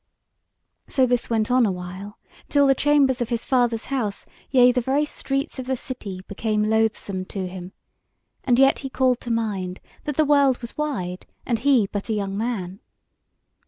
So this went on a while till the chambers of his father's house, yea the very streets of the city, became loathsome to him; and yet he called to mind that the world was wide and he but a young man.